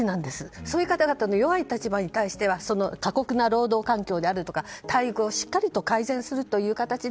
そういう方々弱い方々に対しては過酷な労働環境や待遇をしっかりと改善するという形で。